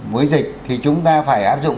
với dịch thì chúng ta phải áp dụng